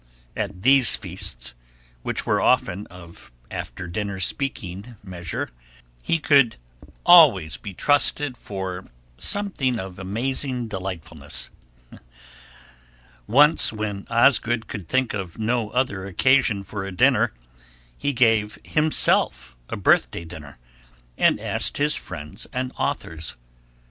At these feasts, which were often of after dinner speaking measure, he could always be trusted for something of amazing delightfulness. Once, when Osgood could think of no other occasion for a dinner, he gave himself a birthday dinner, and asked his friends and authors.